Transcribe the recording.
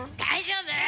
大丈夫？